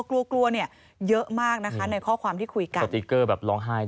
ครับ